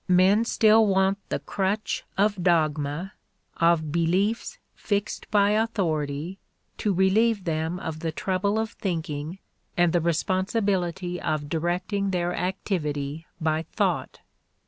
Men still want the crutch of dogma, of beliefs fixed by authority, to relieve them of the trouble of thinking and the responsibility of directing their activity by thought.